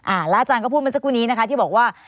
แล้วอาจารย์ก็พูดมาสักครู่นี้นะคะที่บอกว่า